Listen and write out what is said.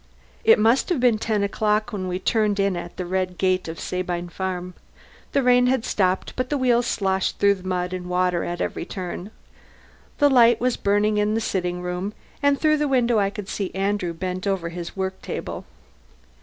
It must have been ten o'clock when we turned in at the red gate of Sabine Farm. The rain had stopped, but the wheels sloshed through mud and water at every turn. The light was burning in the sitting room, and through the window I could see Andrew bent over his work table.